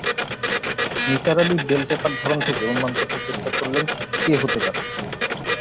Nisar Ali bell টেপার ধরন থেকে অনুমান করতে চেষ্টা করলেন-কে হতে পারে।